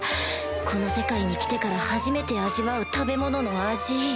この世界に来てから初めて味わう食べ物の味